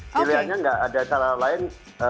pilihannya nggak ada cara lain